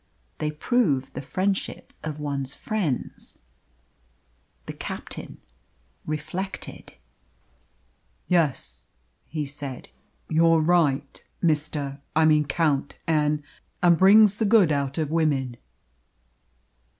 They prove the friendship of one's friends." The captain reflected. "Yes," he said, "you're right, Mr. I mean Count and and brings the good out of women."